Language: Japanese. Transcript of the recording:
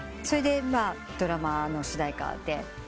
それでドラマの主題歌で。